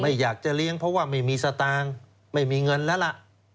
อยากจะเลี้ยงเพราะว่าไม่มีสตางค์ไม่มีเงินแล้วล่ะ